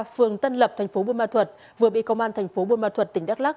phường tân lập tp buôn ma thuật vừa bị công an tp buôn ma thuật tỉnh đắk lắc